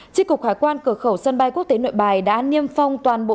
tri cục hải quan cửa khẩu sân bay quốc tế nội bài đã niêm phong toàn bộ